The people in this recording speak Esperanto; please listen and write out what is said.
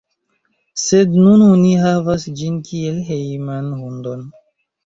Sed nun oni havas ĝin kiel hejman hundon.